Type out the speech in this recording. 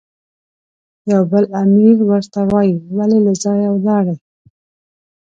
یو بل امیر ورته وایي، ولې له ځایه ولاړې؟